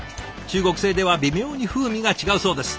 中国製では微妙に風味が違うそうです。